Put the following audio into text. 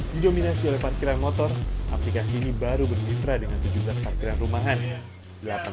didominasi oleh parkiran motor aplikasi ini baru bermitra dengan tujuh belas parkiran rumahan